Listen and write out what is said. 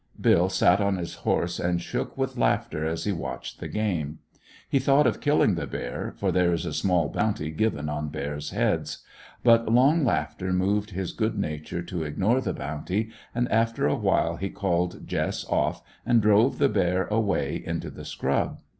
Bill sat on his horse and shook with laughter as he watched the game. He thought of killing the bear, for there is a small bounty given on bears' heads. But long laughter moved his good nature to ignore the bounty, and after a while he called Jess off, and drove the bear away into the scrub.